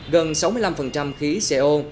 gần sáu mươi năm khí co hai